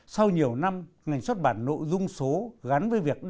sau nhiều năm ngành xuất bản nội dung số gắn với việc đọc sách